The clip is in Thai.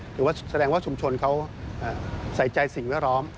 หรือว่าแสดงว่าชุมชนเขาใส่ใจสิ่งแวดล้อม